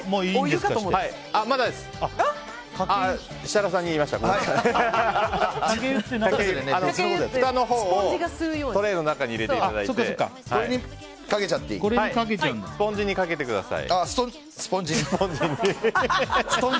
ふたのほうをトレーの中に入れていただいてスポンジにかけてください。